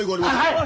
はい！